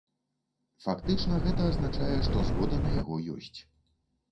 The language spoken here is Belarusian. Фактычна гэта азначае, што згода на яго ёсць.